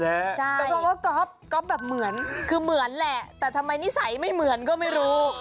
แต่เพราะว่าก๊อฟก๊อฟแบบเหมือนคือเหมือนแหละแต่ทำไมนิสัยไม่เหมือนก็ไม่รู้